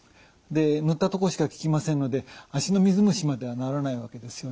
塗ったとこしか効きませんので足の水虫までは治らないわけですよね。